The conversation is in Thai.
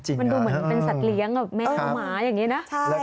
มันดูเหมือนเป็นสัตว์เลี้ยงแมวหมาอย่างนี้นะ